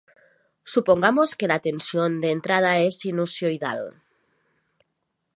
Supongamos que la tensión de entrada es sinusoidal.